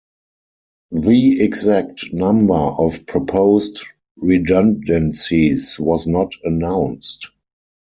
The exact number of proposed redundancies was not announced.